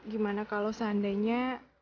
gimana kalau seandainya